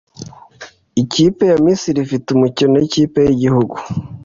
Ikipe ya mirase ifite umukino nikepe yigihugu